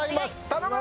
頼む！